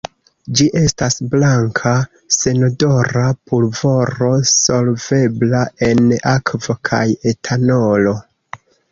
Ĝi estas blanka senodora pulvoro solvebla en akvo kaj etanolo.